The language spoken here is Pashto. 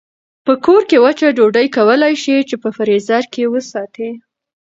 په کور کې وچه ډوډۍ کولای شئ چې په فریزر کې وساتئ.